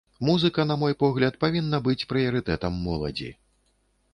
Музыка, на мой погляд, павінна быць прыярытэтам моладзі.